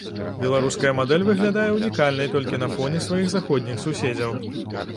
Беларуская мадэль выглядае ўнікальнай толькі на фоне сваіх заходніх суседзяў.